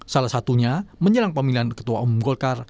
salah satunya menjelang pemilihan ketua umum golkar